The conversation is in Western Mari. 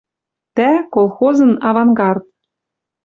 Тӓ, колхозын авангард.